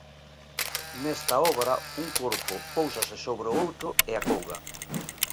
Nesta obra, un corpo póusase sobre o outro e acouga.